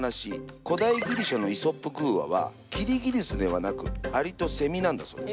古代ギリシャの「イソップ寓話」はキリギリスではなく「アリとセミ」なんだそうです。